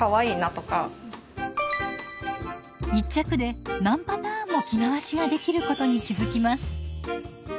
１着で何パターンも着回しができることに気付きます。